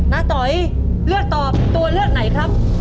ต๋อยเลือกตอบตัวเลือกไหนครับ